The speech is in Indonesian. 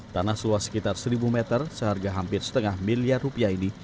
tanah seluas sekitar seribu meter seharga hampir setengah miliar rupiah ini